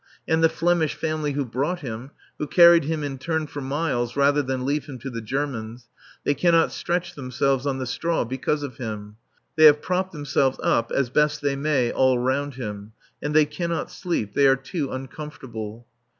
And the Flemish family who brought him, who carried him in turn for miles rather than leave him to the Germans, they cannot stretch themselves on the straw because of him. They have propped themselves up as best they may all round him, and they cannot sleep, they are too uncomfortable.